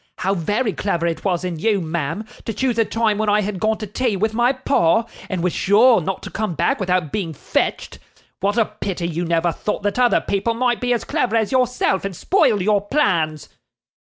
How very clever it was in you, ma'am, to choose a time when I had gone to tea with my pa, and was sure not to come back without being fetched! What a pity you never thought that other people might be as clever as yourself and spoil your plans!